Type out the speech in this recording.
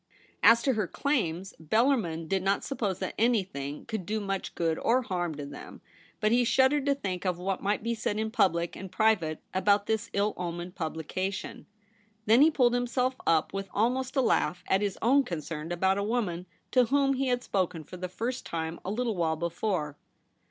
As to her claims, Bellarmin did not suppose that anything could do much good or harm to them ; but he shuddered to think of what might be said in public and private about this ill omened publication. Then he pulled himself up with almost a laugh at his own concern about a woman to whom he had spoken for the first time a little while before.